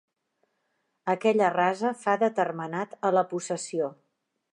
Aquella rasa fa de termenat a la possessió.